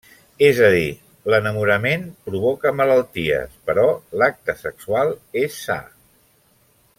És a dir, l'enamorament provoca malalties, però l'acte sexual és sa.